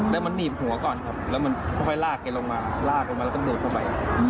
แล้วมันหนีบหัวก่อนครับแล้วมันค่อยลากแกลงมาลากลงมาแล้วก็โดดเข้าไป